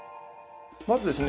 まずですね